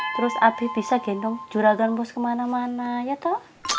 terus abi bisa gendong juragan post kemana mana ya toh